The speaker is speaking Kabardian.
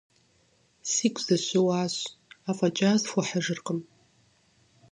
Сигу зэщыуащ, афӀэкӀа схуэхьыжыркъым.